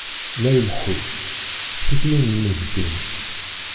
La ileḥḥu, tikli n lmegtin.